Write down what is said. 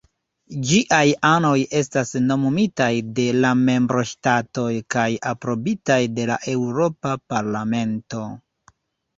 Ĝiaj anoj estas nomumitaj de la membroŝtatoj kaj aprobitaj de la Eŭropa Parlamento.